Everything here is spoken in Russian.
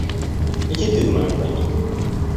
Иди ты в моём пальто.